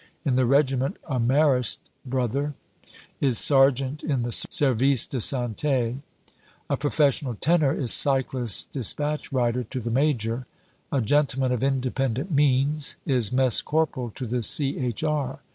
In the regiment a Marist Brother is sergeant in the Service de Sante; a professional tenor is cyclist dispatch rider to the Major; a "gentleman of independent means" is mess corporal to the C.H.R.